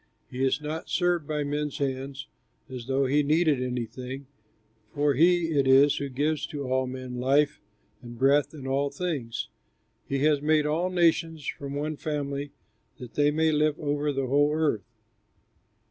He is not served by men's hands, as though he needed anything, for he it is who gives to all men life and breath and all things. He has made all nations from one family that they may live over the whole earth.